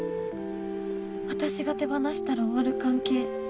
私が手放したら終わる関係。